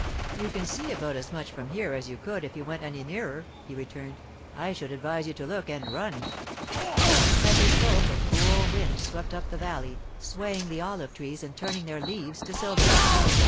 'You can see about as much from here as you could if you went any nearer,' he returned. 'I should advise you to look and run.' As he spoke a cool wind swept up the valley, swaying the olive trees and turning their leaves to silver.